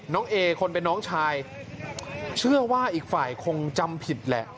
เอคนเป็นน้องชายเชื่อว่าอีกฝ่ายคงจำผิดแหละ